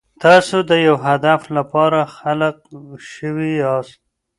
تاسو د یو هدف لپاره خلق شوي یاست.